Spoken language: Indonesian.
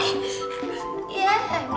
eh mendeling gatuh matanya